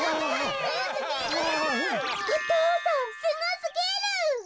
お父さんすごすぎる！